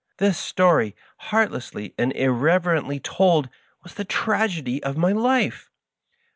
This story, heartlessly and irreverently told, was the tragedy of my life!